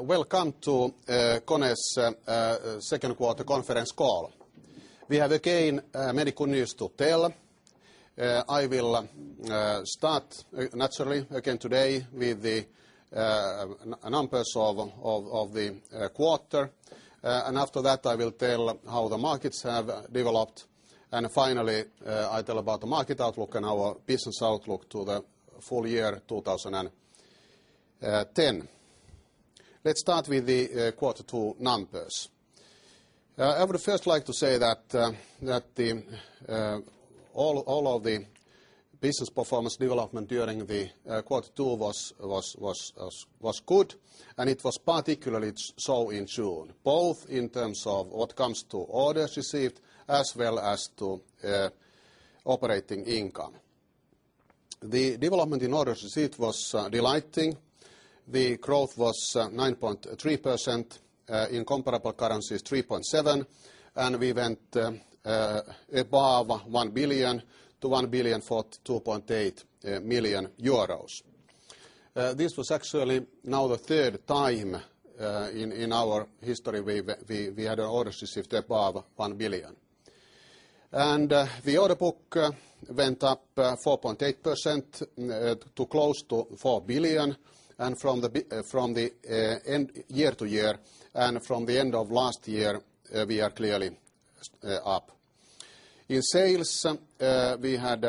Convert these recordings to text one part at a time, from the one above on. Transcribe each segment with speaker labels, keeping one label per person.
Speaker 1: Welcome to KONE's Second Quarter Conference Call. We have, again, many good news to tell. I will start naturally, again, today with the numbers of the quarter. And after that, I will tell how the markets have developed. And finally, I tell about the market outlook and our business outlook to the full year 20 10. Let's start with the quarter 2 numbers. I would first like to say that all of the business performance development during the quarter 2 was good, and it was particularly so in June, both in terms of what comes to orders received as well as to operating income. The development in orders received was delighting. The growth was 9.3%. In comparable currencies, euros 3,700,000,000 and we went above €1,000,000,000 to €1,000,000,000 for 2.8 €1,000,000,000 This was actually now the 3rd time in our history we had orders received above 1,000,000,000. And the order book went up 4.8% to close to 4,000,000,000 and from the end year to year and from the end of last year, we are clearly up. In sales, we had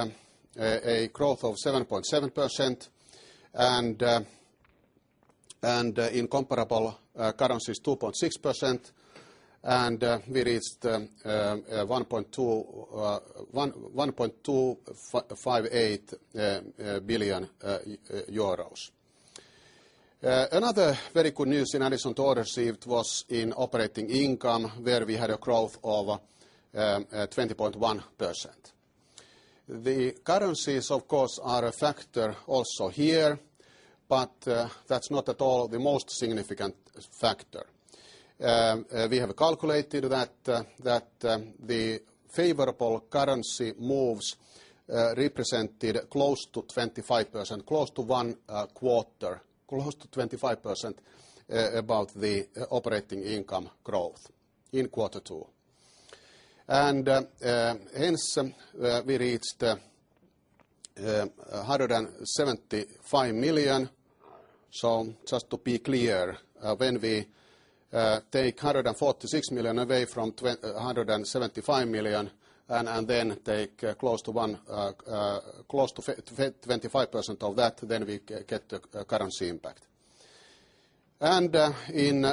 Speaker 1: a growth of 7.7 percent. And in comparable currencies, 2.6 percent. And we reached €1,258,000,000 Another very good news in Allison Door received was in operating income where we had a growth of 20.1%. The currencies, of course, a factor also here, but that's not at all the most significant factor. We have calculated that the favorable currency moves represented close to 25%, close to 1 quarter close to 25% above the operating income growth in quarter 2. And hence, we reached €175,000,000 So just to be clear, when we take €146,000,000 away from €175,000,000 and then take close to one close to 25% of that, then we get the currency impact. And in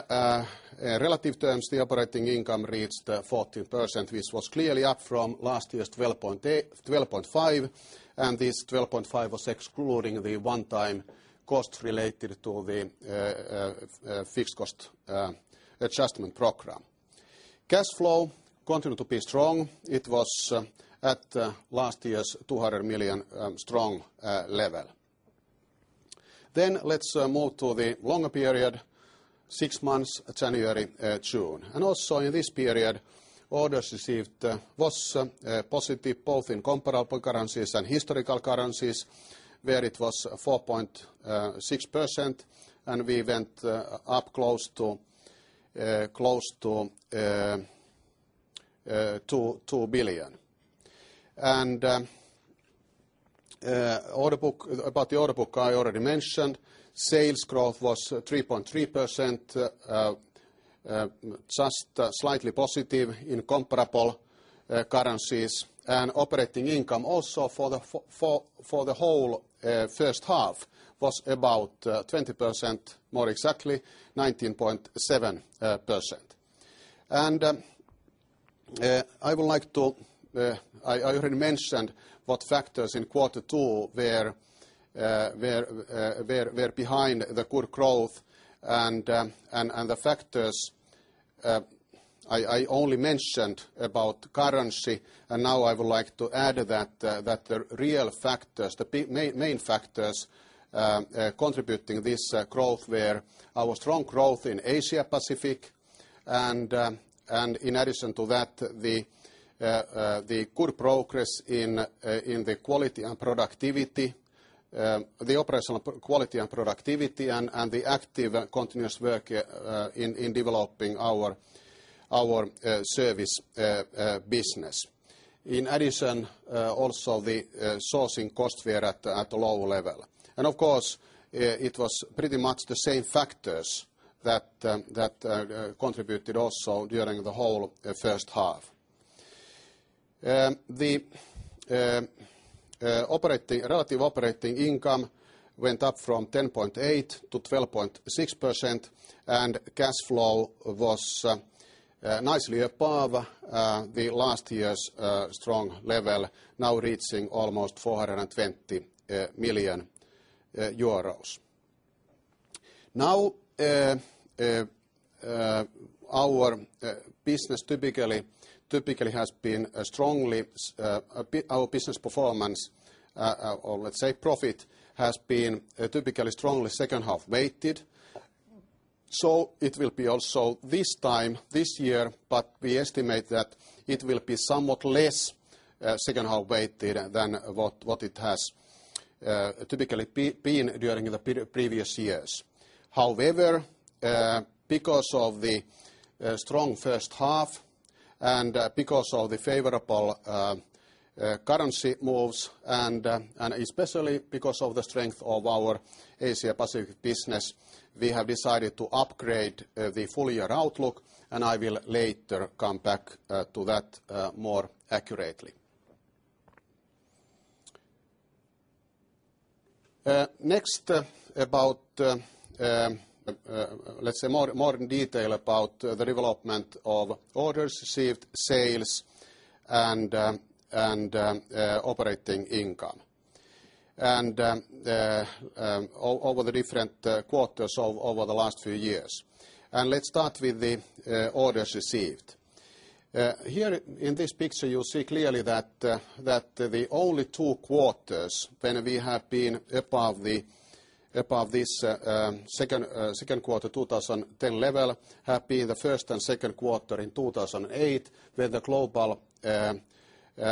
Speaker 1: relative terms, the operating income reached 14%, which was clearly up from last year's 12.5%. Percent, and this 12.5 percent was excluding the onetime cost related to the fixed cost adjustment program. Cash flow continued to be strong. It was at last year's 200,000,000 strong level. Then let's move to the longer period, 6 months, January, June. And also in this period, orders received was positive both in comparable currencies and historical currencies, where it was 4.6%. And we went up close to 2,000,000,000. And order book about the order book, I already mentioned. Sales growth was 3.3%, just slightly positive in comparable currencies. And operating income also for the whole first half was about 20%, more exactly 19.7%. And I would like to I already mentioned what factors in quarter 2 were behind the good growth. And the factors I only mentioned about currency, and now I would like to add that the real factors contributing this growth were our strong growth in Asia Pacific. And in addition to that, the good progress in the quality and productivity the operational quality and productivity and the active and continuous work in developing our service business. In addition, also the sourcing cost were at a lower level. And of course, it was pretty much the same factors that contributed also during the whole first half. The operating relative operating income went up from 10.8% to 12.6%, and cash flow was nicely above the last year's strong level, now reaching almost 420 1,000,000 Now our business typically has been strongly our business performance or, let's say, profit has been typically strongly second half weighted. So it will be also this time this year, but we estimate that it will be somewhat less second half weighted than what it has typically been during the previous years. However, because of the strong first half and because of the favorable currency moves and especially because of the strength of our Asia Pacific business, we have decided to upgrade the full year outlook, and I will later come back to that more accurately. Next, about let's say, more in detail about the development of orders received, sales and operating income and over the different quarters over the last few years. And let's start with the orders received. Here in this picture, you'll see clearly that the only two quarters when we have been above this Q2 2010 level, have been the 1st and second quarter in 2008 where the global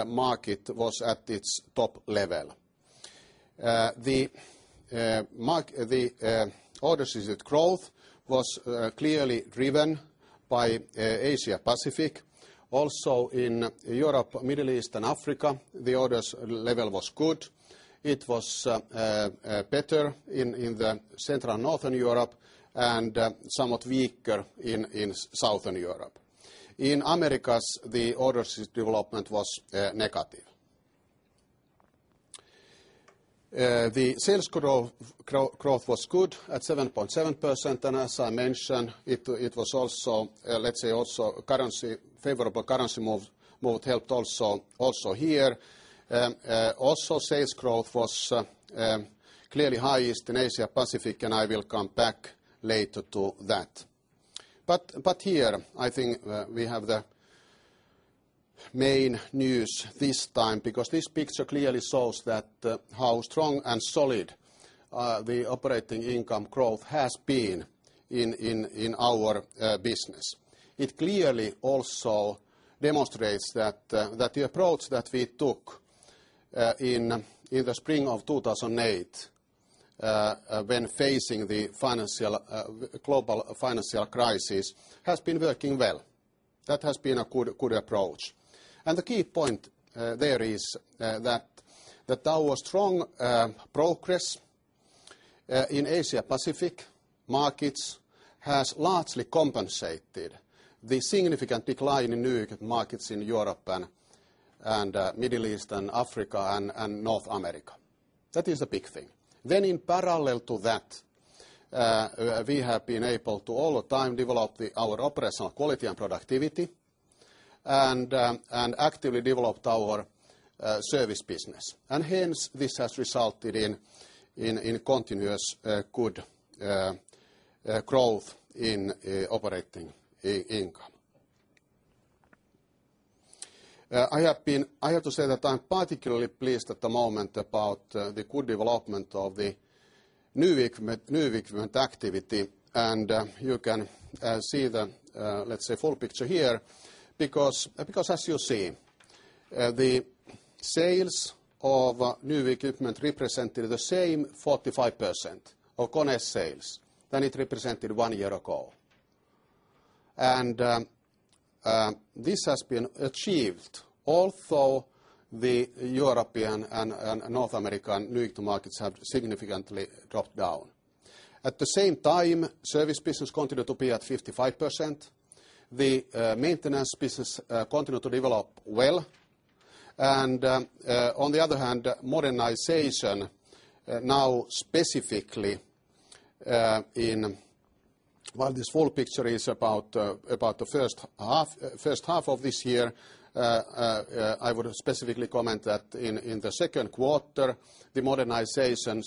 Speaker 1: market was at its top level. The orders is at growth was clearly driven by Asia Pacific. Also in Europe, Middle East and Africa, the orders level was good. It was better in the Central and Northern Europe and somewhat weaker in Southern Europe. In Americas, the orders development was negative. The sales growth was good at 7.7%. And as I mentioned, it was also, let's say, also currency favorable currency move helped also here. Also sales growth was clearly high Eastern Asia Pacific, and I will come back later to that. But here, I think we have the main news this time because this picture clearly shows that how strong and solid the operating income growth has been in our business. It clearly also demonstrates that the approach that we took in the spring of 2,008 when facing the financial global financial crisis has been working well. That has been a good approach. And the key point there is that our strong progress in Asia Pacific Markets has largely compensated the significant decline in new markets in Europe and Middle East and Africa and North America. That is a big thing. Then in parallel to that, we have been able to, all the time, develop our operational quality and productivity and actively developed our service business. And hence, this has resulted in continuous good growth in operating income. I have been I have to say that I'm particularly pleased at the moment about the good development of the new equipment activity. And you can see the, let's say, full picture here because as you see, the sales of new equipment represented the same 45% of KONE sales than it represented 1 year ago. And this has been achieved, although the European and North American New York to markets have significantly dropped down. At the same time, service business continued to be at 55%. The maintenance business continued to develop well. And on the other hand, modernization now specifically in while this full picture is about the first half of this year, I would specifically comment that in the second quarter, the modernization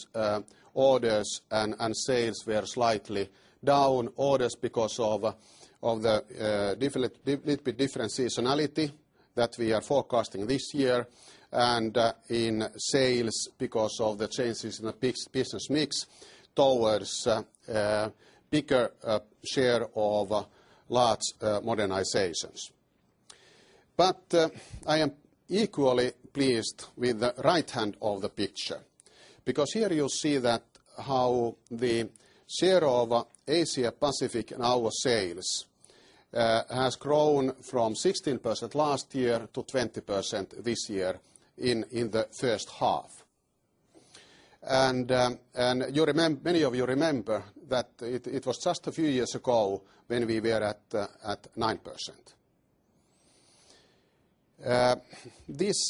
Speaker 1: orders and sales were slightly down orders because of the different seasonality that we are forecasting this year and in sales because of the changes in the business mix towards bigger share of large modernizations. But I am equally pleased with the right hand of the picture because here, you see that how the share of Asia Pacific in our sales has grown from 16% last year to 20% this year in the first half. And many of you remember that it was just a few years ago when we were at 9%. This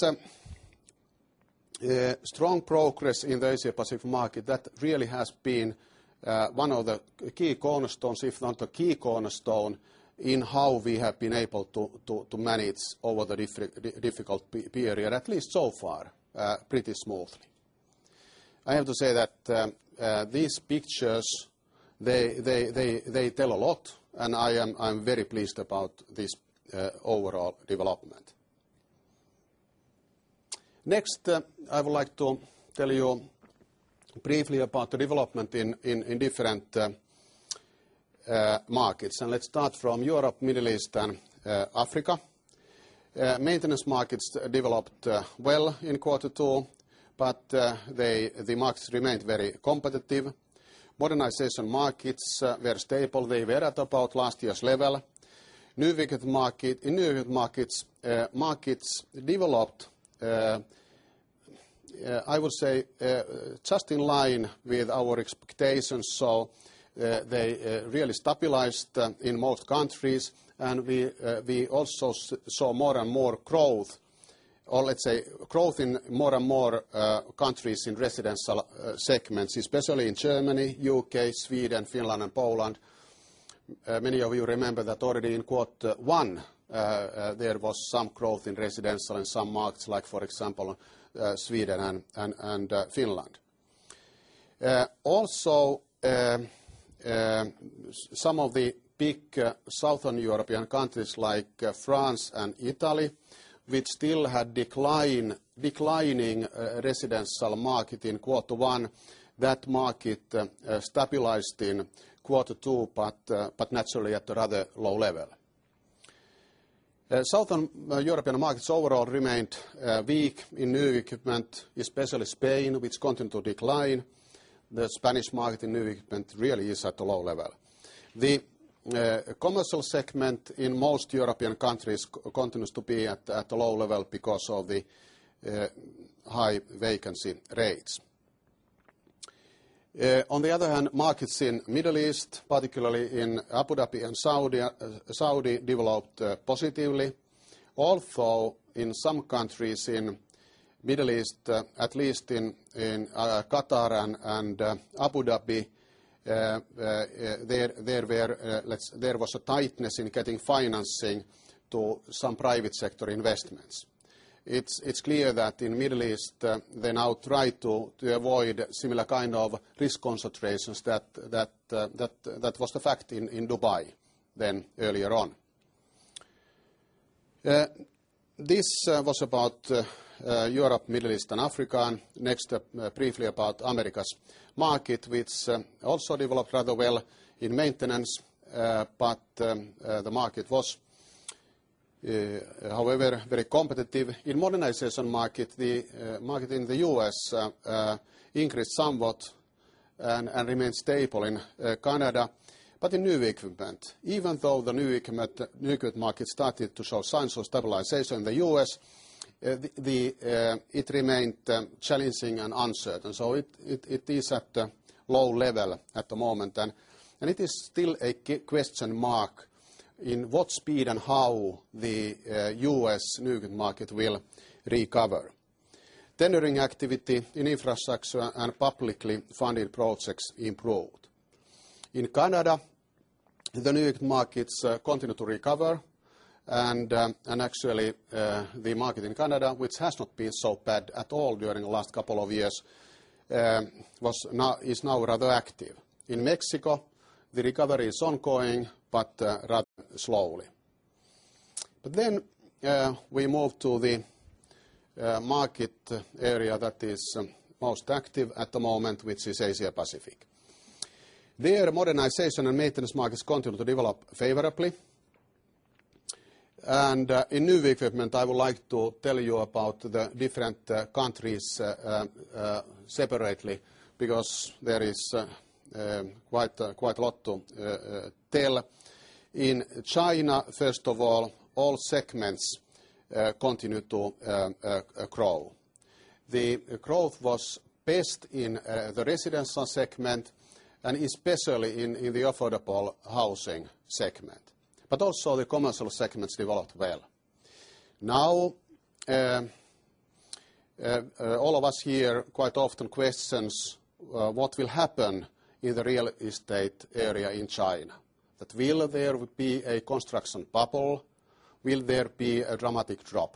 Speaker 1: strong progress in the Asia Pacific market, that really has been one of the key cornerstones, if not a key cornerstone, in how we have been able to manage over the difficult period, at least so far, pretty smoothly. I have to say that these pictures, they tell a lot, and I'm very pleased about this overall development. Next, I would like to tell you briefly about the development in different markets. And let's start from Europe, Middle East and Africa. Maintenance markets developed well in quarter 2, but the markets remained very competitive. Modernization markets were stable. They were at about last year's level. Newmarket markets developed, I would say, just in line with our expectations. So they really stabilized in most countries. And we also saw more and more growth or let's say, growth in more and more countries in residential segments, especially in Germany, U. K, Sweden, Finland and Poland. Many of you remember that already in quarter 1, there was some growth in residential and some markets like, for example, Sweden and Finland. Also, some of the big Southern European countries like France and Italy, which still had declining residential market in quarter 1, That market stabilized in quarter 2, but naturally at a rather low level. Southern European markets overall remained weak in new equipment, especially Spain, which continue to decline. The Spanish market in new equipment really is at a low level. The commercial segment in most European countries continues to be at a low level because of the high vacancy rates. On the other hand, markets in Middle East, particularly in Abu Dhabi and Saudi, developed positively. Also, in some countries, in Middle East, at least in Qatar and Abu Dhabi, there were there was a tightness in getting financing to some private sector investments. It's clear that in Middle East, they now try to avoid similar kind of risk concentrations that was the fact in Dubai then earlier on. This was about Europe, Middle East and Africa. Next, briefly about Americas market, which also developed rather well in maintenance, but the market was, however, very competitive. In modernization market, the market in the U. S. Increased somewhat and remained stable in Canada, but in new equipment. Even though the new equipment market started to show signs of stabilization in the U. S, it remained challenging and uncertain. So it is at a low level at the moment. And it is still a question mark in what speed and how the U. S. New market will recover. Tendering activity in infrastructure and publicly funded projects improved. In Canada, the new markets continue to recover. And actually, the market in Canada, which has not been so bad at all during the last couple of years, was is now rather active. In Mexico, the recovery is ongoing but rather slowly. But then we move to the market area that is most active at the moment, which is Asia Pacific. There, modernization and maintenance markets continue to develop favorably. And in new equipment, I would like to tell you about the different countries separately because there is quite a lot to tell. In China, first of all, all segments continue to grow. The growth was best in the residential segment and especially in the affordable housing segment. But also, the commercial segments developed well. Now all of us here quite often questions what will happen in the real estate area in China. That will there be a construction bubble? Will there be a dramatic drop?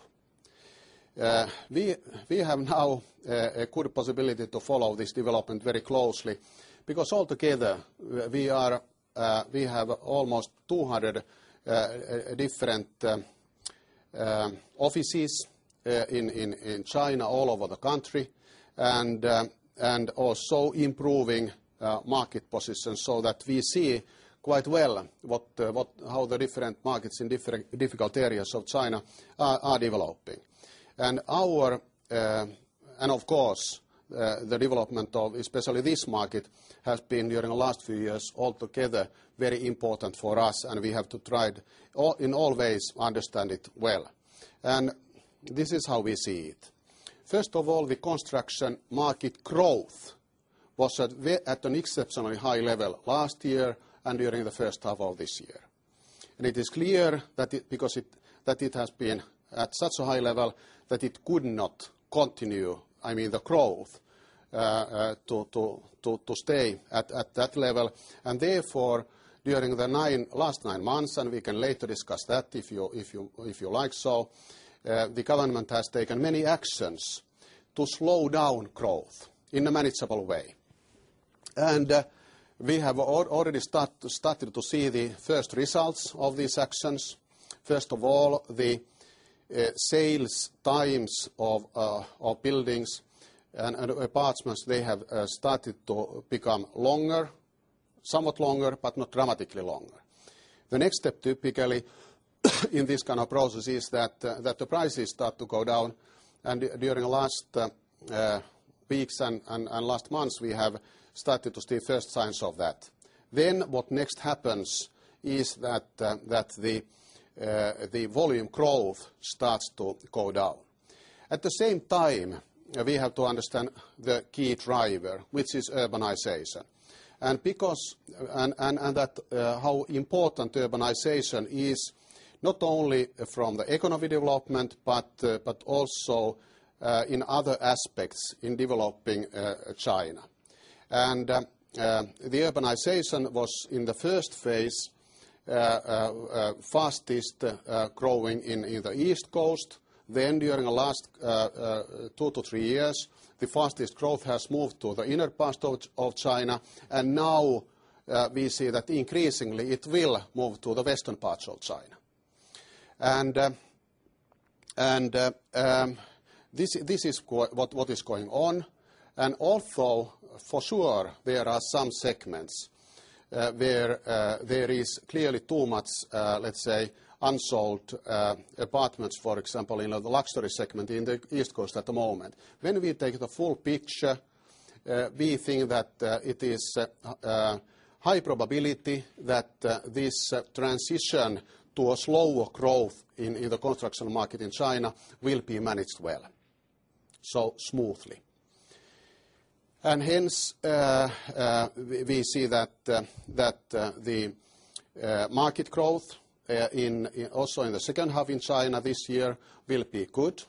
Speaker 1: We have now a good possibility to follow this development very closely because altogether, we are we have almost 200 different offices in China, all over the country and also improving market position so that we see quite well what how the different markets in different difficult areas of China are developing. And our and of course, the development of especially this market has been during the last few years altogether very important for us, and we have to try in all ways understand it well. And this is how we see it. First of all, the construction market growth was at an exceptionally high level last year and during the first half of this year. And it is clear that because it has been at such a high level that it could not continue, I mean, the growth to stay at that level. And therefore, during the last 9 months, and we can later discuss that if you like so, the government has taken many actions to slow down growth in a manageable way. And we have already started to see the first results of these actions. First of all, the sales times of buildings and apartments, they have started to become longer, somewhat longer, but not dramatically longer. The next step typically in this kind of process is that the prices start to go down. And during the last weeks and last months, we have started to see first signs of that. Then what next happens is that the volume growth starts to go down. At the same time, we have to understand the key driver, which is urbanization. And because and that how important urbanization is not only from the economic development, but also in other aspects in developing China. And the urbanization was in the first phase, fastest growing in the East Coast. Then during the last 2 to 3 years, the fastest growth has moved to the inner part of China. And now we see that increasingly, it will move to the Western parts of China. And this is what is going on. And also, for sure, there are some segments where there is clearly too much, let's say, unsold apartments, for example, in the Luxury segment in the East Coast at the moment. When we take the full picture, we think that it is high probability that this transition to a slower growth in the construction market in China will be managed well, so smoothly. And hence, we see that the market growth also in the second half in China this year will be good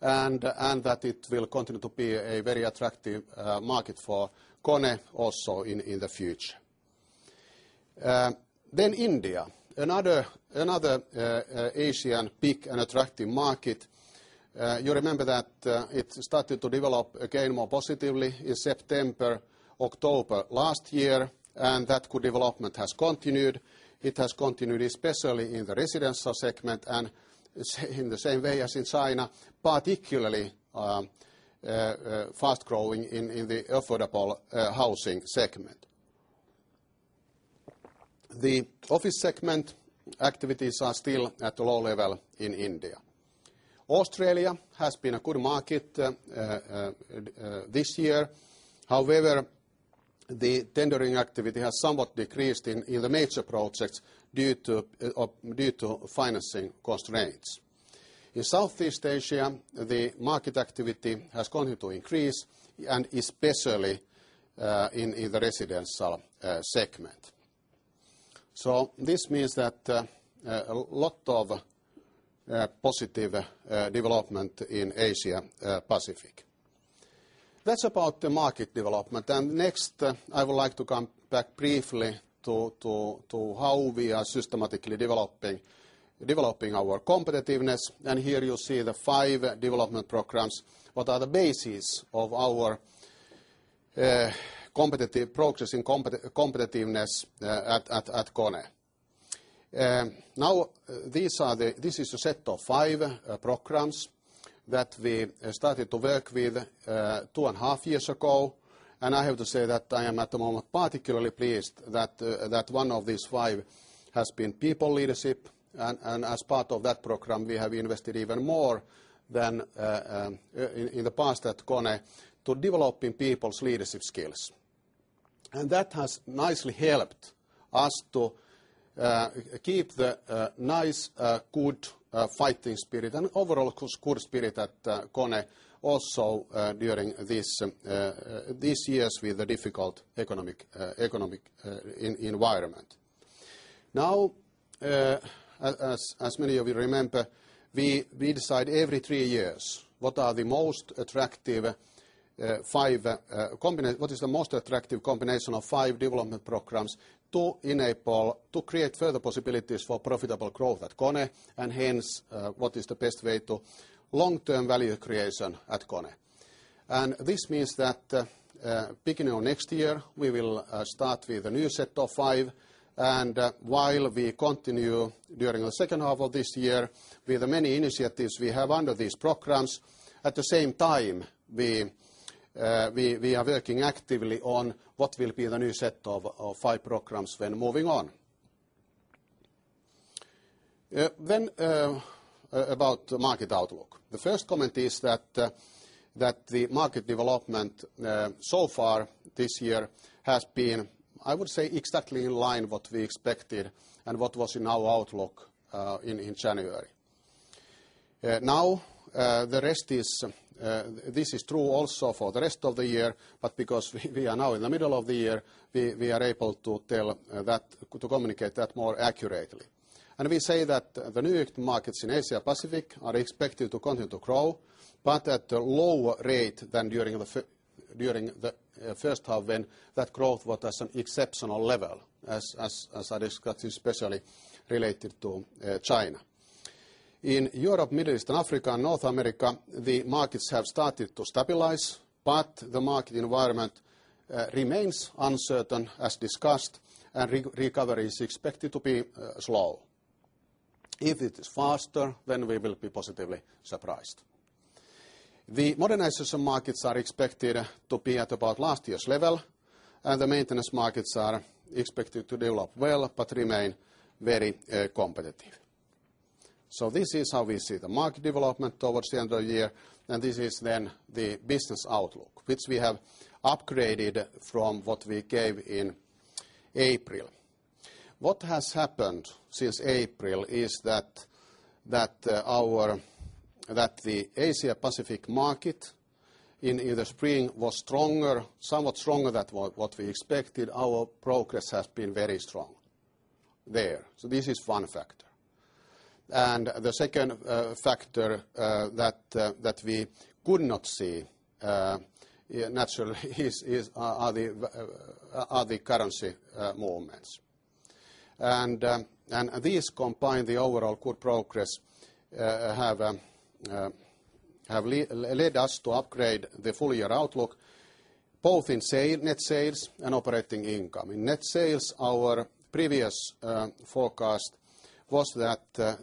Speaker 1: and that it will continue to be a very attractive market for KONE also in the future. Then India, another Asian big and attractive market. You remember that it started to develop again more positively in September, October last year, and that good development has continued. It has continued especially in the residential segment and in the same way as in China, particularly fast growing in the affordable housing segment. The office segment activities are still at a low level in India. Australia has been a good market this year. However, the tendering activity has somewhat decreased in the major projects due to financing cost range. In Southeast Asia, the market activity has continued to increase and especially in the residential segment. So this means that a lot of positive development in Asia Pacific. That's about the market development. And next, I would like to come back briefly to how we are systematically developing our competitiveness. And here, you'll see the 5 development programs, what are the basis of our competitive progress in competitiveness at KONE. Now these are the this is a set of 5 programs that we started to work with 2.5 years ago. And I have to say that I am at the moment particularly pleased that one of these five has been people leadership. And as part of that program, we have invested even more than in the past at KONE to developing people's leadership skills. And that has nicely helped us to keep the nice, good fighting spirit and overall, of course, good spirit at KONE also during this years with a difficult economic environment. Now as many of you remember, we decide every 3 years what are the most attractive five what is the most attractive combination of 5 development programs to enable to create further possibilities for profitable growth at KONE and hence, what is the best way to long term value creation at KONE. And this means that beginning of next year, we will start with a new set of 5. And while we continue during the second half of this year with the many initiatives we have under these programs, at the same time, we are working actively on what will be the new set of 5 programs when moving on. Then about market outlook. The first comment is that the market development so far this year has been, I would say, exactly in line what we expected and what was in our outlook in January. Now the rest is this is true also for the rest of the year, but because we are now in the middle of the year, we are able to tell that to communicate that more accurately. And we say that the new markets in Asia Pacific are expected to continue to grow, but at a lower rate than during the first half when that growth was at an exceptional level as I discussed, especially related to China. In Europe, Middle East and Africa and North America, the markets have started to stabilize, but the market environment remains uncertain as discussed, and recovery is expected to be slow. If it is faster, then we will be positively surprised. The modernization markets are expected to be at about last year's level. The maintenance markets are expected to develop well but remain very competitive. So this is how we see the market development towards the end of the year, and this is then the business outlook, which we have upgraded from what we gave in April. What has happened since April is that our that the Asia Pacific market in the spring was stronger somewhat stronger than what we expected. Our progress has been very strong there. So this is one factor. And the second factor that we could not see naturally is are the currency movements. And this, combined the overall good progress, have led us to upgrade the full year outlook, both in net sales and operating income. In net sales, our previous forecast was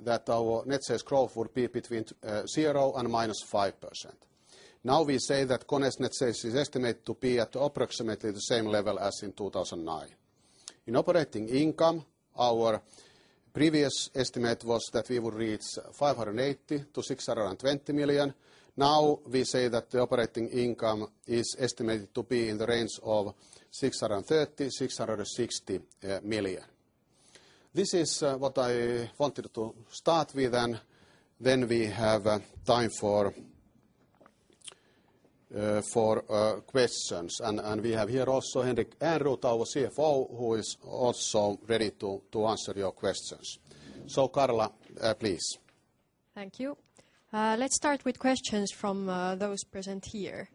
Speaker 1: that our net sales growth would be between 0% -five percent. Now we say that Konez net sales is estimated to at approximately the same level as in 2,009. In operating income, our previous estimate was that we will reach €580,000,000 to €620,000,000 Now we say that the operating income is estimated to be in the range of SEK630,000,000, 660,000,000 This is what I wanted to start with. And then we have time for questions. And we have here also Henrik Enrut, our CFO, who is also ready to answer your questions. So Carla, please.
Speaker 2: Thank you. Let's start with questions from those present here.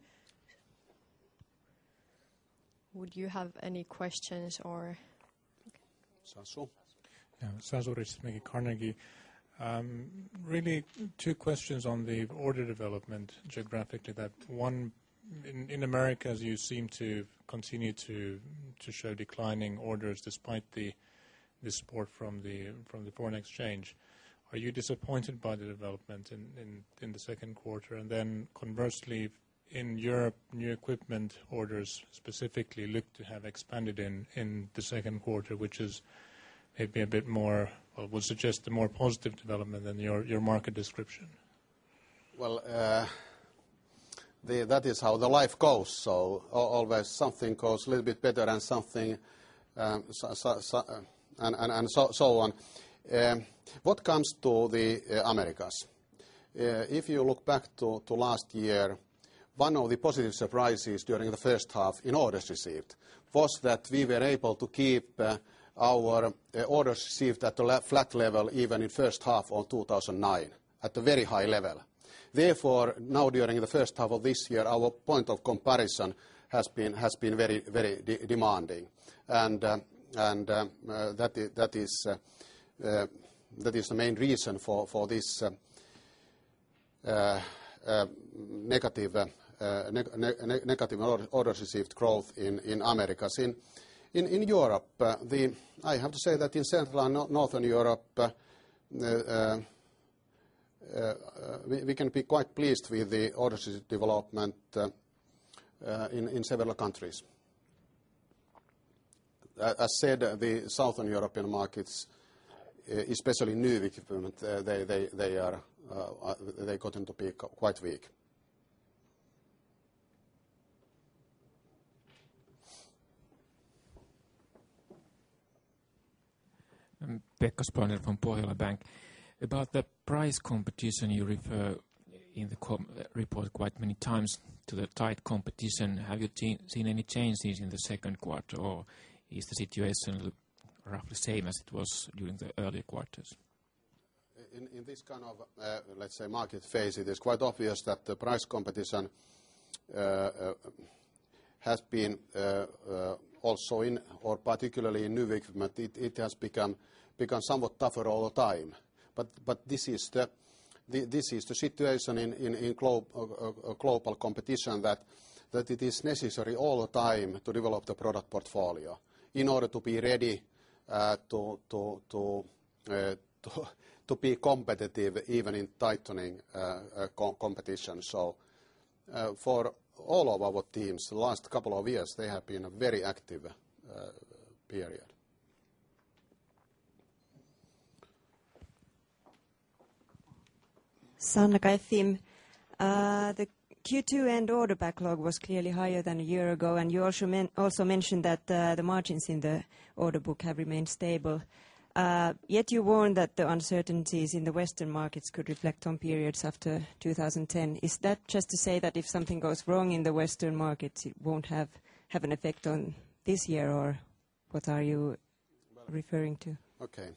Speaker 2: Would you have any questions or?
Speaker 3: Sanzor. Sanzor, it's me, Carnegie. Really two questions on the order development geographically. That one, in Americas, you seem to continue to show declining orders despite the support from the foreign exchange. Are you disappointed by the development in the Q2? And then conversely, in Europe, new equipment orders specifically look to have expanded in the Q2, which is maybe a bit more or would suggest a more positive development than your market description?
Speaker 1: Well, that is how the life goes. So always something goes a little bit better than something and so on. What comes to the Americas? If you look back to last year, one of the positive surprises during the first half in orders received was that we were able to keep our orders received at a flat level even in first half of two thousand and nine, at a very high level. Therefore, now during the first half of this year, our point of comparison has been very, very demanding. And growth in Americas. In Europe, the I have to say that in Central and Northern Europe, we can be quite pleased with the Orasys development in several countries. As said, the Southern European markets, especially new equipment, they are they continue to be quite weak.
Speaker 4: Pekka Sponen from Pohagal Bank. About the price competition you refer in the report quite many times to the tight competition. Have you seen any changes in the second quarter? Or is the situation roughly same as it was during the earlier quarters?
Speaker 1: In this kind of, let's say, market phase, it is quite obvious that the price competition has been also in or particularly in new equipment, it has become somewhat tougher over time. But this is the situation in global competition that it is necessary all the time to develop the product portfolio in order to be ready to be competitive even in tightening competition. So for all of our teams, the last couple of years, they have been a very active period.
Speaker 5: The Q2 end order backlog was clearly higher than a year ago, and you also mentioned that the margins in the order book have remained stable. Yet you warned that the uncertainties in the Western markets could reflect on periods after 2010. Is that just to say that if something goes wrong in the Western market, it won't have an effect on this year? Or what are you referring to?
Speaker 1: Okay.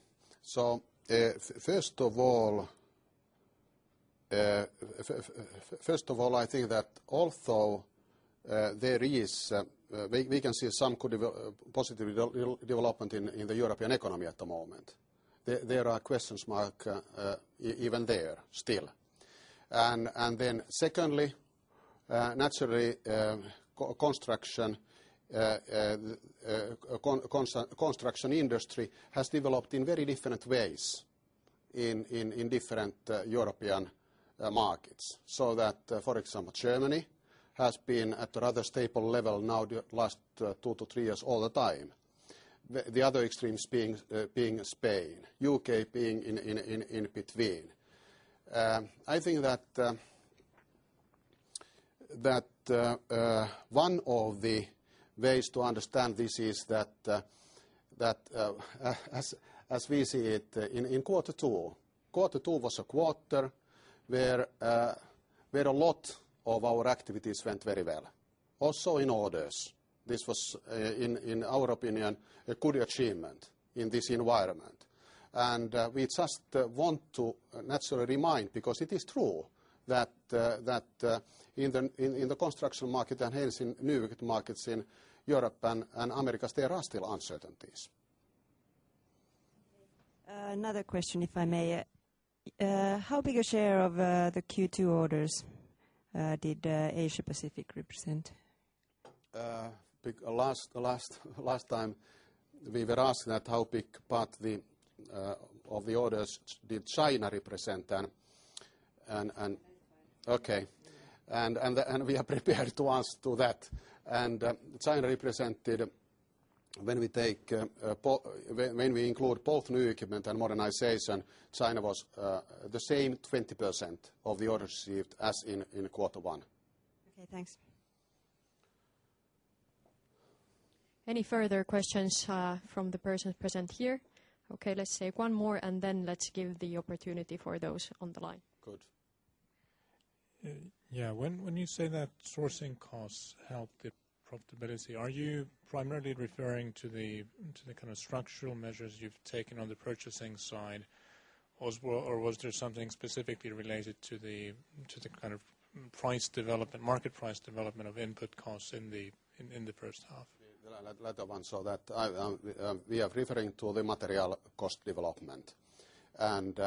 Speaker 1: So 1st of all, I think that also there is we can see some positive development in the European economy at the moment. There are questions mark even there still. And then secondly, naturally, construction industry has developed in very different ways in different European markets. So that, for example, Germany has been at a rather stable level now last 2 to 3 years all the time, the other extremes being Spain, U. K. Being in between. I think that one of the ways to understand this is that as we see it in quarter 2, quarter 2 was a quarter where a lot of our activities went very well. Also in orders, this was, in our opinion, a good achievement in this environment. And we just want to naturally remind because it is true that in the construction market and hence in new markets in Europe and Americas, there are still uncertainties.
Speaker 5: Another question, if I may. How big a share of the Q2 orders did Asia Pacific represent?
Speaker 1: Last time, we were asked that how big part of the orders did China represent. And okay. And we are prepared to answer to that. And China represented, when we take when we include both new equipment and modernization, China was the same 20% of the orders received as in quarter 1.
Speaker 5: Okay. Thanks.
Speaker 2: Any further questions from the person present here? Okay. Let's take one more and then let's give the opportunity for those on the line.
Speaker 4: Good.
Speaker 3: Yeah, when you say that sourcing costs help the profitability, are you primarily referring to the kind of structural measures you've taken on the purchasing side? Or was there something specifically related to the kind of price development market price development of input costs in the first half?
Speaker 1: I'll add that one. So that we are referring to the material cost development. And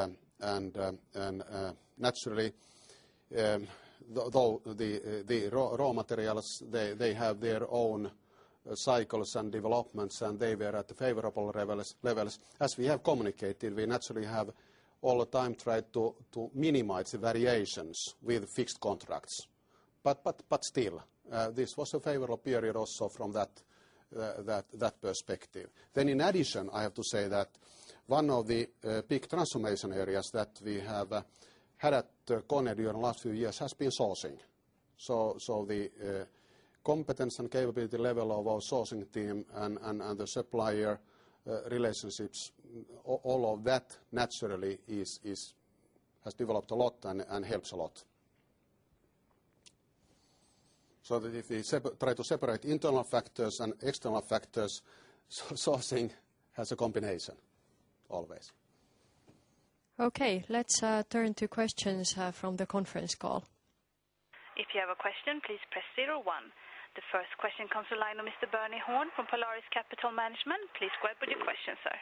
Speaker 1: naturally, though the raw materials, they have their own cycles and developments, and they were at favorable levels. As we have communicated, we naturally have all the time tried to minimize variations with fixed contracts. But still, this was a favorable period also from that perspective. Then in addition, I have to say that one of the big transformation areas that we have had at Konevio in the last few years has been sourcing. So the competence and capability level of our sourcing team and the supplier relationships, all of that naturally is has developed a lot and helps a lot. So if we try to separate internal factors and external factors, sourcing has a combination always.
Speaker 2: Okay. Let's turn to questions from the conference call.
Speaker 6: The first question comes from the line of Mr. Bernie Horne from Polaris Capital Management. Please go ahead with your question, sir.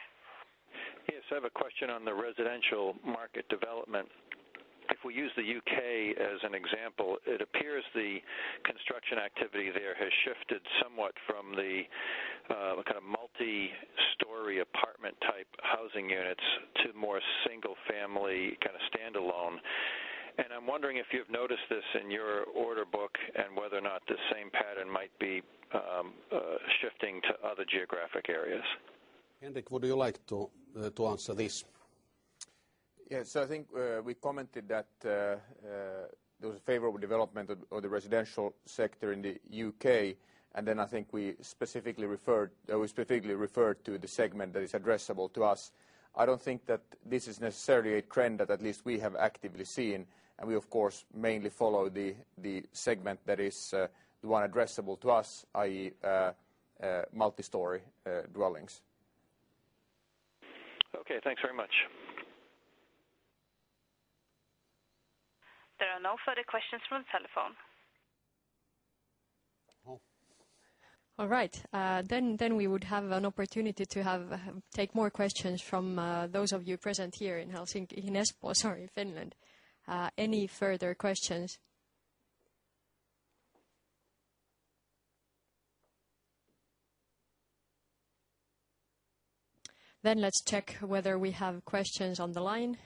Speaker 7: Yes. I have a question on the residential market development. If we use the U. K. As an example, it appears the construction activity there has shifted somewhat from the kind of multi storey apartment type housing units to more single family kind of standalone. And I'm wondering if you've noticed this in your order book and whether or not the same pattern might be shifting to other geographic areas.
Speaker 1: Hendrik, would you like to answer this?
Speaker 8: Yes. So I think we commented that there was a favorable development of the residential sector in the U. K. And then I think we specifically referred to the segment that is addressable to us. I don't think that this is necessarily a trend that at least we have actively seen. We, of course, mainly follow the segment that is the one addressable to us, I. E, multistory dwellings.
Speaker 7: Okay. Thanks very much.
Speaker 6: There are no further questions from the telephone.
Speaker 2: All right. Then we would have an opportunity to have take more questions from those of you present here in Helsinki in Espoo, sorry, Finland. Any further questions? Then let's check whether we have questions on the line.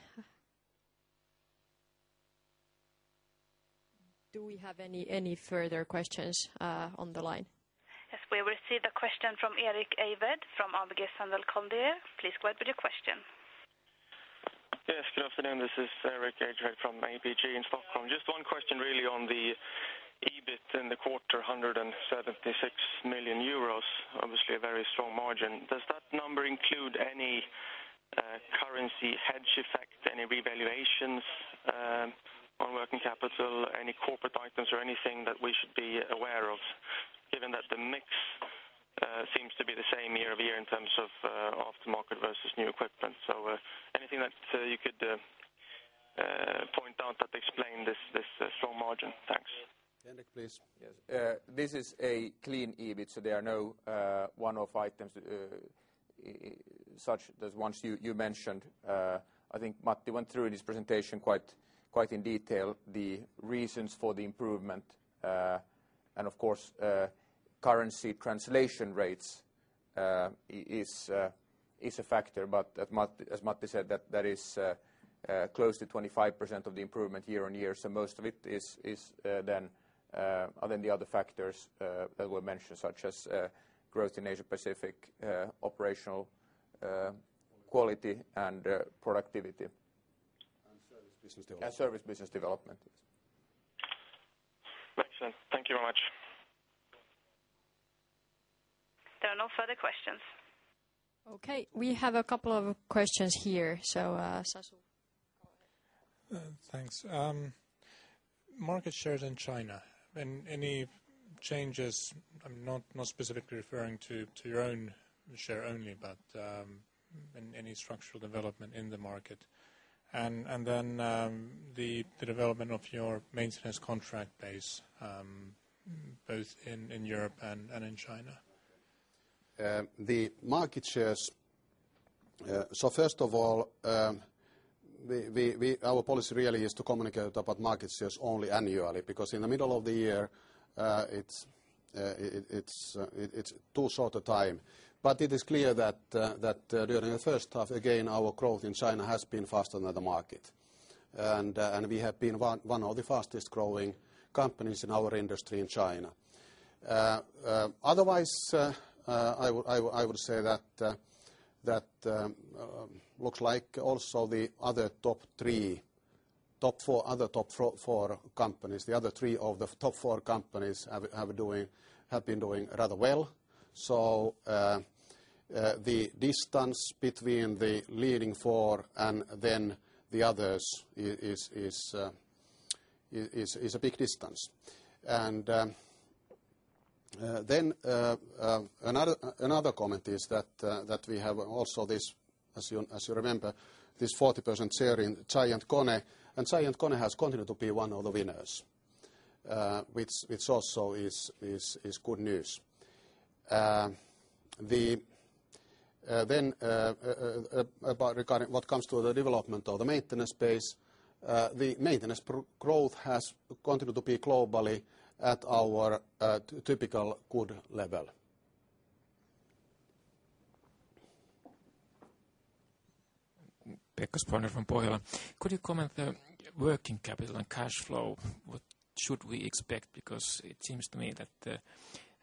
Speaker 2: Do we have any further questions on the line?
Speaker 6: Yes. We will see the question from Erik Ejvedt from ABG Sundal Kondir. Please go ahead with your question.
Speaker 9: Yes. Good afternoon. This is Erik Ejvedt from ABG. Just one question really on the EBIT in the quarter, euros 176,000, obviously a very strong margin. Does that number include any currency hedge effect, any revaluations on working capital, any corporate items or anything that we should be aware of given that the mix seems to be the same year over year in terms of aftermarket versus new equipment? So anything that you could point out that explain this strong margin?
Speaker 8: Henrik, please. Yes. This is a clean EBIT, so there are no one off items such as ones you mentioned. I think Matti went through in his presentation quite in detail the reasons for the improvement. And of course, currency translation rates is a factor. But as Matti said, that is close to 25% of the improvement year on year. So most of it is then the other factors that were mentioned, such as growth in Asia Pacific, operational quality and productivity.
Speaker 1: And Service
Speaker 8: Business Development. And Service Business Development.
Speaker 9: Excellent. Thank you very much.
Speaker 6: There are no further questions.
Speaker 2: Okay. We have a couple of questions here. So, Sasol?
Speaker 3: Market shares in China, any changes, I'm not specifically referring to your own share only, but any structural development in the market? And then the development of your maintenance contract base, both in Europe and in China?
Speaker 1: The market shares so first of all, we our policy really is to communicate about market shares only annually. Because in the middle of the year, it's too short a time. But it is clear that during the first half, again, our growth in China has been faster than the market. And we have been one of the fastest growing companies in our industry in China. Otherwise, I would say that looks like also the other top three top 4 other top 4 companies. The other 3 of the top 4 companies have been doing rather well. So the distance between the leading 4 and then the others is a big distance. And then another comment is that we have also this, as you remember, this 40% share in Giant Kone. And Giant Kone has continued to be one of the winners, which also is good news. Then regarding what comes to the development of the maintenance space. The maintenance growth has continued to be globally at our typical good level.
Speaker 4: Pekka Sponner from Bojela. Could you comment on working capital and cash flow? What should we expect? Because it seems to me that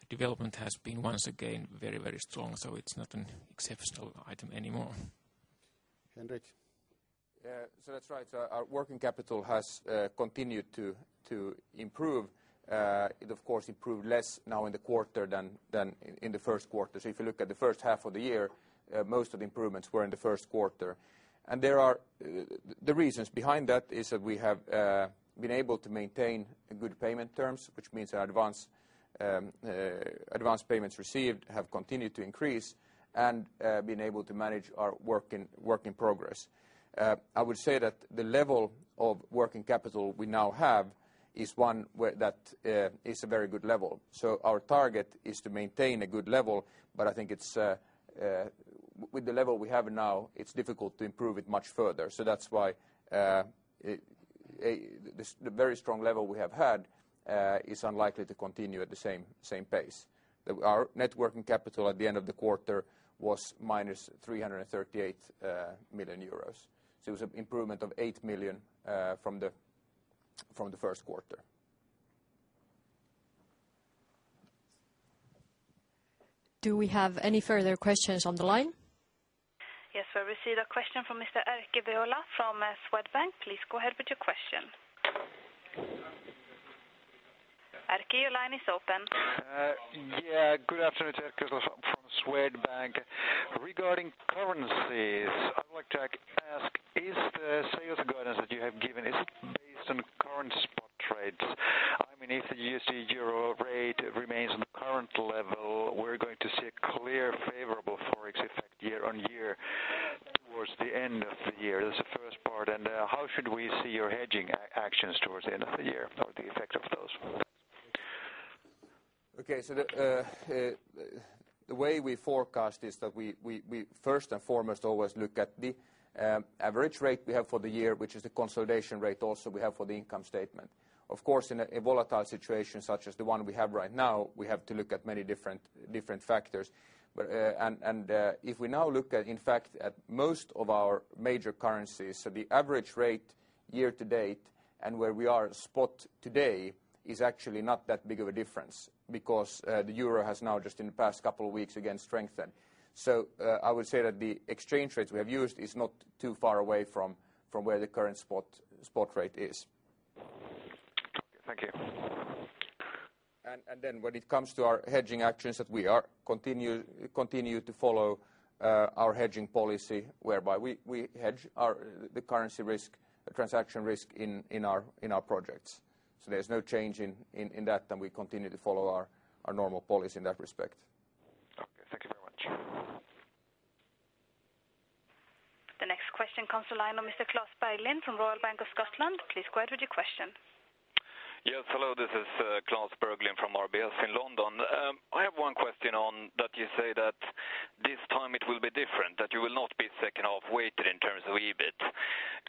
Speaker 4: the development has been once again very, very strong, so it's not an exceptional item anymore.
Speaker 8: Henrik? So that's right. So our working capital has continued to improve. It, of course, improved less now in the quarter than in the first quarter. So if you look at the first half of the year, most of the improvements were in the Q1. And there are the reasons behind that is that we have been able to maintain good payment terms, which means that advanced advanced payments received have continued to increase and been able to manage our work in progress. I would say that the level of working capital we now have is one where that is a very good level. So our target is to maintain a good level, but I think it's with the level we have now, it's difficult to improve it much further. So that's why the very strong level we have had is unlikely to continue at the same pace. Our net working capital at the end of the quarter was minus €338,000,000 So it was an improvement of €8,000,000 from the 1st quarter.
Speaker 2: Do we have any further questions on the line?
Speaker 6: Yes. We received a question from Mr. Erkki Beola from Swedbank. Please go ahead with your question. Erkki, your line is open.
Speaker 7: Yeah. Good afternoon, Erkki from Swedbank. Regarding currencies, I'd like to ask is the sales guidance that you have given is based on current spot rates? I mean, if you see euro rate remains in the current level, we're going to see a clear favorable ForEx effect year on year towards the end of the year? That's the first part. And how should we see your hedging actions towards the end of the year or the effects of those?
Speaker 8: Okay. So the way we forecast is that we 1st and foremost always look at the average rate we have for the year, which is the consolidation rate also we have for the income statement. Of course, in a volatile situation such as the one we have right now, we have to look at many different factors. And if we now look at, in fact, at most of our major currencies, so the average rate year to date and where we are spot today is actually not that big of a difference because the euro has now just in the past couple of weeks again strengthened. So I would say that the exchange rates we have used is not too far away from where the current spot rate is. And then when it comes to our hedging actions that we are continue to follow our hedging policy whereby we hedge our the currency risk, the transaction risk in our projects. So there's no change in that, and we continue to follow our normal policy in that respect.
Speaker 6: The next question comes from the line of Mr. Klas Bergelin from Royal Bank of Scotland. Please go ahead with your question.
Speaker 10: Yes. Hello. This is Klas Bergelin from RBS in London. I have one question on that you say that this time it will be different, that you will not be second half weighted in terms of EBIT.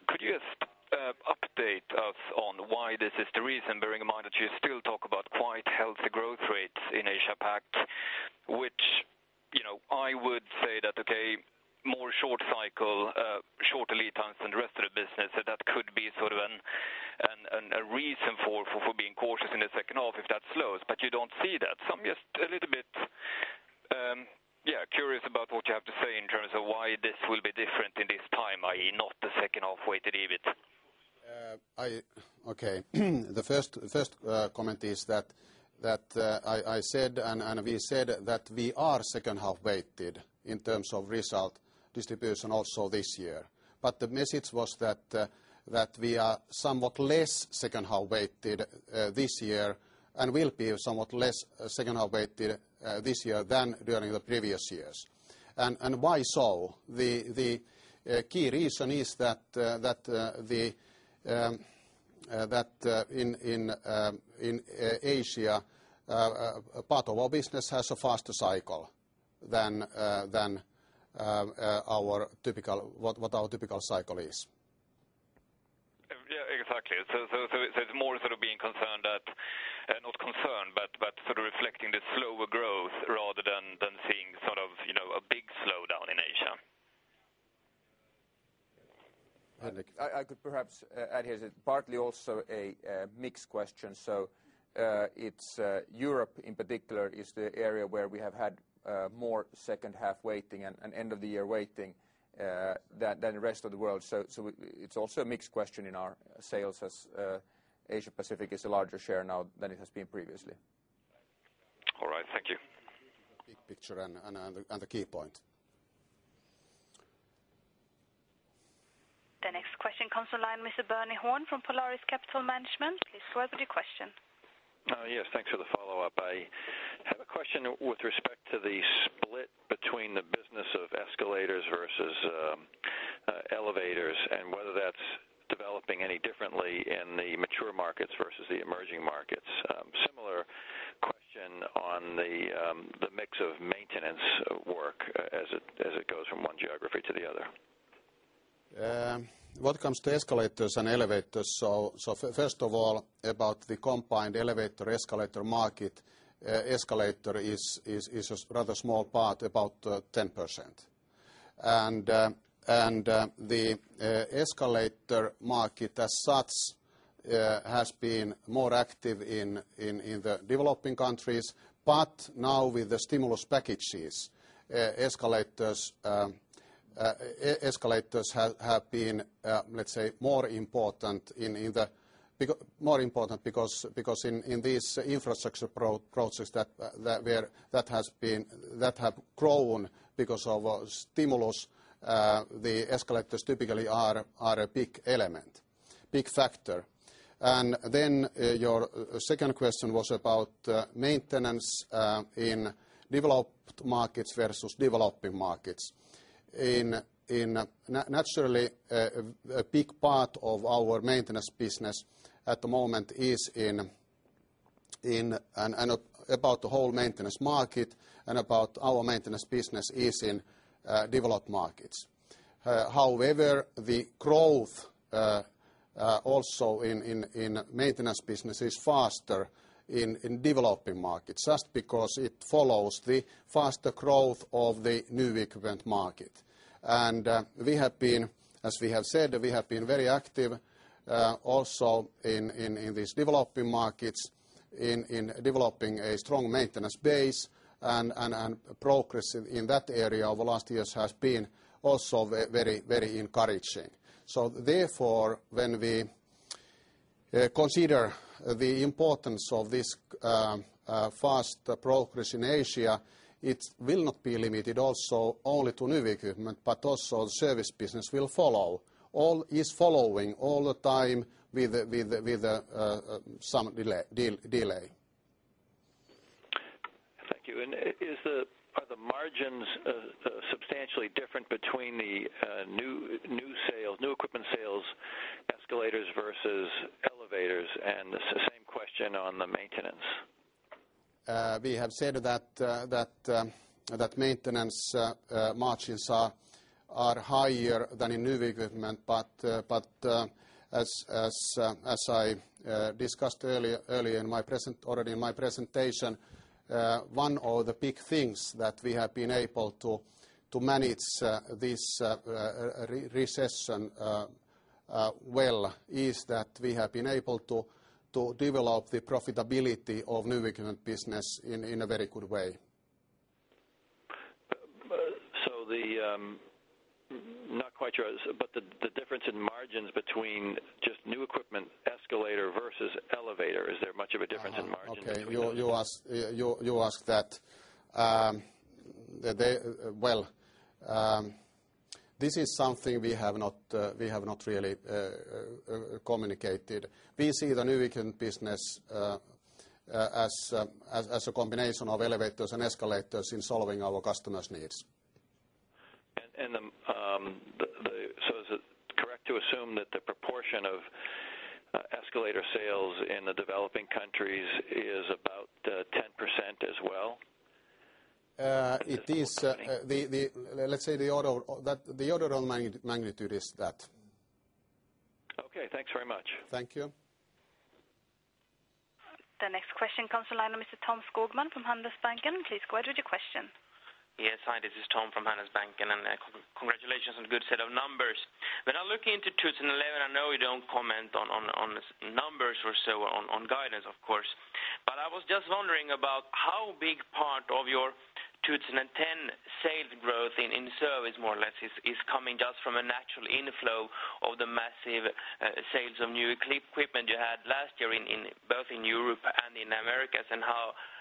Speaker 10: Could you just update us on why this
Speaker 11: is the reason, bearing in
Speaker 10: mind that you still talk about quite healthy growth rates in Asia Pac, which I would say that, okay, more short cycle, shorter lead times than the rest of the business. So that could be sort of a reason for being cautious in the second half if that slows, but you don't see that. So I'm just a little bit curious about what you have to say in terms of why this will be different in this time, I. E. Not the second half weighted EBIT.
Speaker 1: Okay. The first comment is that I said and we said that we are second half weighted in terms of result distribution also this year. But the message was that we are somewhat less 2nd half weighted this year and will be somewhat less 2nd half weighted this year than during the previous years. And why so? The key reason is that in Asia, part of our business has a faster cycle than our typical what our typical cycle is.
Speaker 10: Yes, exactly. So it's more sort of being concerned that not concerned, but sort of reflecting the slower growth rather than seeing sort of a big slowdown in Asia.
Speaker 8: Henrik, I could perhaps add here. It's partly also a mix question. So it's Europe, in particular, is the area where we have had more second half weighting and end of the year weighting than the rest of the world. So it's also a mixed question in our sales as Asia Pacific is a larger share now than it has been previously.
Speaker 10: All right. Thank you.
Speaker 1: Big picture and the key point.
Speaker 6: The next question comes from the line of Mr. Bernie Horne from Polaris Capital Management. Please go ahead with your question.
Speaker 7: Yes, thanks for the follow-up. I have a question with to the split between the business of escalators versus elevators and whether that's developing any differently in the mature markets versus Similar question on the mix of maintenance work as it goes from one geography to the other.
Speaker 1: When it comes to escalators and elevators, so first of all, about the combined elevator escalator market, Escalator is a rather small part, about 10%. And the escalator market as such has been more active in the developing countries. But now with the stimulus package fees, escalators have been, let's say, more important in the more important because in these infrastructure process that has been that have grown because of stimulus, the escalators typically are a big element, big factor. And then your second question was about maintenance in developed markets versus developing markets. In naturally, a big part of our maintenance business at the moment is in about the whole maintenance market and about our maintenance business is in developed markets. However, the growth also in maintenance business is faster in developing markets just because it follows the faster growth of the new equipment market. And we have been as we have said, we have been very active also in these developing markets, in developing a strong maintenance base and progress in that area over last years has been also very, very encouraging. So therefore, when we consider the importance of this fast progress in Asia, it will not be limited also only to new equipment, but also the service business will follow. All is following all the time with some delay.
Speaker 7: And is the are the margins substantially different between the new sales new equipment sales escalators versus elevators? And the same question on the maintenance.
Speaker 1: We have said that maintenance margins are higher than in new equipment. But as I discussed earlier in my present already in my presentation, one of the big things that we have been able to manage this recession well is that we have been able to develop the profitability of Novemiculant business in a very good way.
Speaker 7: So the not quite sure, but the difference in margins between just new equipment escalator versus elevator, is there much of a difference in margin
Speaker 1: between You asked that. Well, this is something we have not really communicated. We see the Nuviken business as a combination of elevators and escalators in solving our customers' needs.
Speaker 7: And the so is it correct to assume that the proportion of escalator sales in the developing countries is about 10% as well?
Speaker 1: It is let's say, the order of magnitude is that.
Speaker 7: Okay. Thanks very much.
Speaker 1: Thank you.
Speaker 6: The next question comes from the line of Mr. Tom Skorgman from Handelsbanken. Please go ahead with your question.
Speaker 11: Yes. Hi, this is Tom from Handelsbanken and congratulations on a good set of numbers. When I look into 2011, I know you don't comment on numbers or so on guidance, of course. But I was just wondering about how big part of your 2010 sales growth in service more or less is coming just from a natural inflow of the massive sales of new equipment you had last year in both in Europe and in Americas?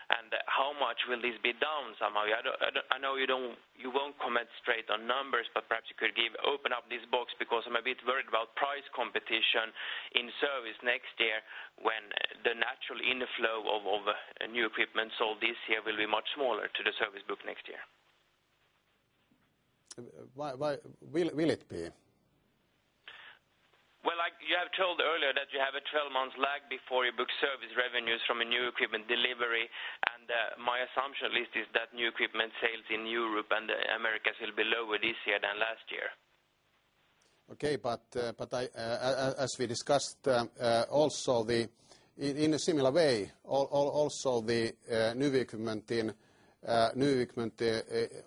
Speaker 11: And how much will this be down somehow? I know you won't comment straight on numbers, but perhaps you could give open up this box because I'm a bit worried about price competition in service next year when the natural inflow of new equipment sold this year will be much smaller to the service book next year.
Speaker 1: Why will it be?
Speaker 11: Well, like you have told earlier that you have a 12 month lag before you book service revenues from a new equipment delivery. And my assumption at least is that new equipment sales in Europe and Americas will be lower this year than last year.
Speaker 1: Okay. But as we discussed also the in a similar way, also the new equipment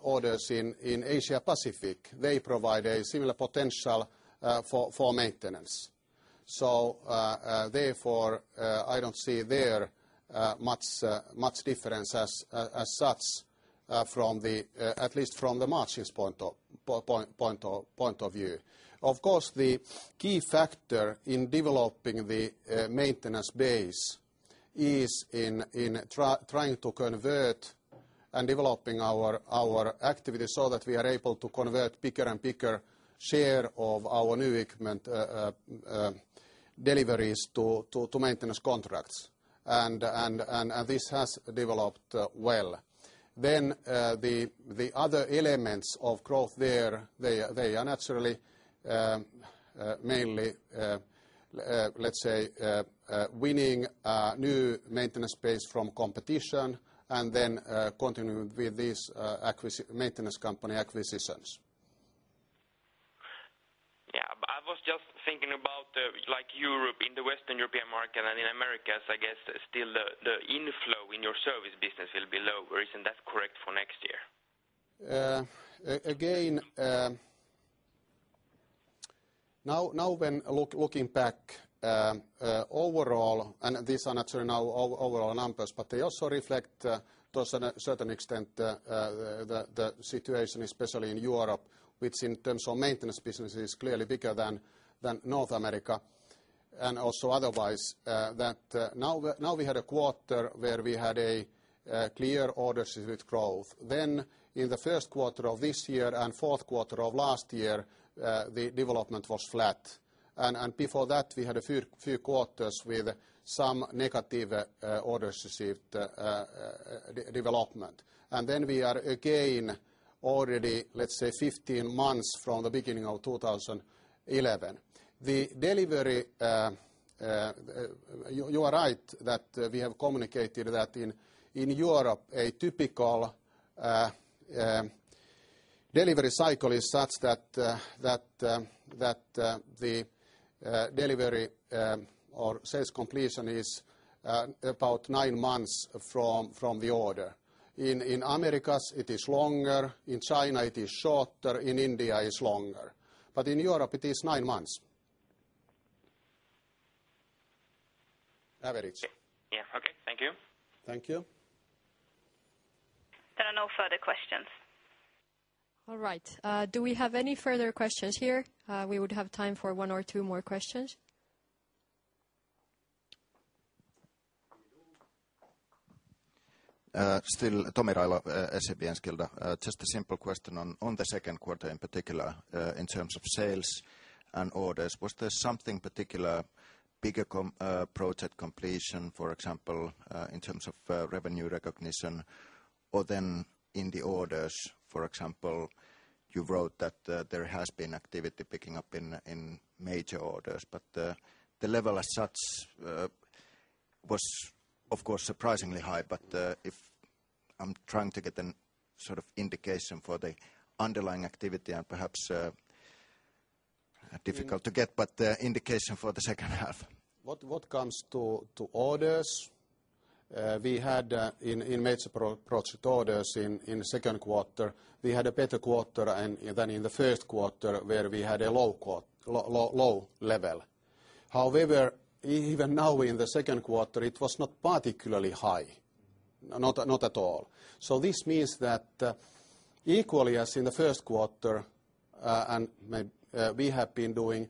Speaker 1: orders in Asia Pacific, they provide a similar potential for maintenance. So therefore, I don't see there much difference as such from the at least from the margins point of view. Of course, the key maintenance base is in trying to convert and developing our activities so that we are able to convert bigger and bigger share of our new equipment deliveries to maintenance contracts. And this has developed well. Then the other elements of growth there, they are naturally mainly, let's say, winning new maintenance space from competition and then continuing with these maintenance company acquisitions.
Speaker 11: Yes. I was just thinking about like Europe. In the Western European market and in Americas, I guess, still the inflow in your service business will be lower. Isn't that correct for next
Speaker 1: year? Again, now when looking back, overall and these are not sure now overall numbers, but they also reflect to a certain extent the situation, especially in Europe, which in terms of maintenance business is clearly bigger than North America and also otherwise that now we had a quarter where we had a clear orders with growth. Then in the Q1 of this year Q4 of last year, the development was flat. And before that, we had a few quarters with some negative orders received development. And then we are again already, let's say, 15 months from the beginning of 2011. The delivery you are right that we have communicated that in Europe, a typical delivery cycle is such that the delivery or sales completion is about 9 months from the order. In Americas, it is longer. In China, it is shorter. In India, it's longer. But in Europe, it is 9 months average.
Speaker 6: There are no further questions.
Speaker 2: All right. Do we have any further questions here? We would have time for 1 or 2 more questions.
Speaker 12: Still, Tomi Rayla, SAP Skelter. Just a simple question on the second quarter in particular in terms of sales and orders. Was there something particular, bigger project completion, for example, in terms of revenue recognition? Or then in the orders, for example, you wrote that there has been activity picking up in major orders. But the level as such was, of course, surprisingly high. But if I'm trying to get a sort of indication for the underlying activity and perhaps difficult to get, but indication for the second half.
Speaker 1: What comes to orders, we had in major project orders in the second quarter, we had a better quarter than in the Q1 where we had a low level. However, even now in the Q2, it was not particularly high, not at all. So this means that equally as in the Q1, and we have been doing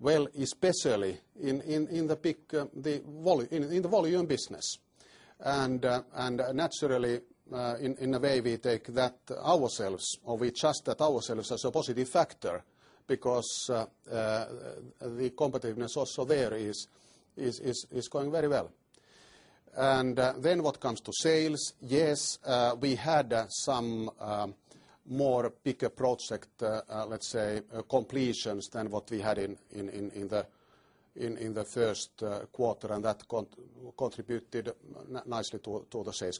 Speaker 1: well especially in the big big in the volume business. And naturally, in a way, we take that ourselves or we adjust that ourselves as a positive factor because the competitiveness also there is going very well. And then what comes to sales, yes, we had some more bigger project, let's say, completions than what we had in the Q1, and that contributed nicely to the sales